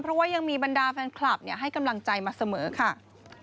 เพราะว่ายังมีบรรดาแฟนคลับให้กำลังใจมาเสมอค่ะ